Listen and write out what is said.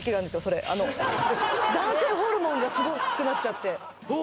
それ男性ホルモンがすごくなっちゃっておお